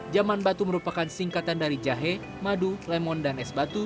jaman batu merupakan singkatan dari jahe madu lemon dan es batu